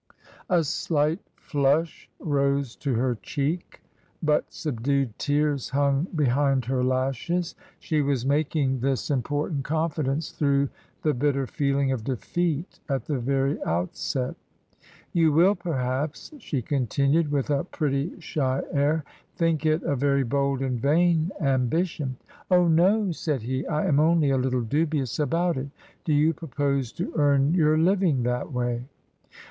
A slight flush rose to her cheek, but subdued tears hung behind her lashes ; she was making this important . TRANSITION. 53 confidence through the bitter feeling of defeat at the very outset. You will, perhaps," she continued, with a pretty shy air, " think it a very bold and vain ambition." " Oh, no," said he ;I am only a little dubious about it. Do you propose to earn your living that way